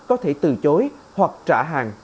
có thể từ chối hoặc trả hàng